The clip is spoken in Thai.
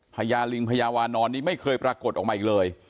ญาลิงพญาวานอนนี้ไม่เคยปรากฏออกมาอีกเลย